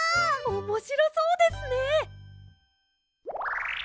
おもしろそうですね。